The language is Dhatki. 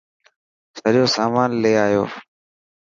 سڄو سامان لي آيو.